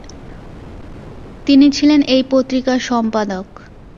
তিনি ছিলেন এই পত্রিকার সম্পাদক ।